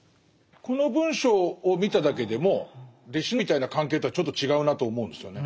この文章を見ただけでも弟子みたいな関係とはちょっと違うなと思うんですよね。